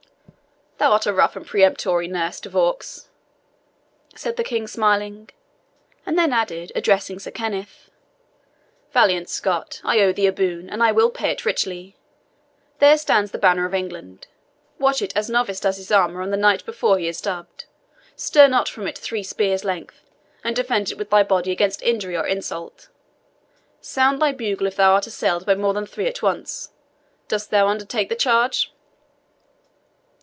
"Thou art a rough and peremptory nurse, De Vaux," said the king, smiling; and then added, addressing Sir Kenneth, "Valiant Scot, I owe thee a boon, and I will pay it richly. There stands the banner of England! Watch it as novice does his armour on the night before he is dubbed. Stir not from it three spears' length, and defend it with thy body against injury or insult. Sound thy bugle if thou art assailed by more than three at once. Dost thou undertake the charge?"